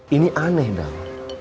ini aneh dong